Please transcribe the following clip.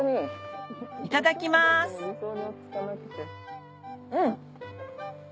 いただきますうん！